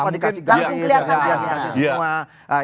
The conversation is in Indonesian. di eropa dikasih garis